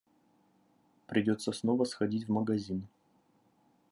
Придётся снова сходить в магазин.